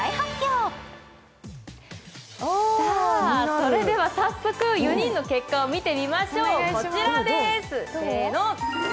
それでは４人の結果を見てみましょう。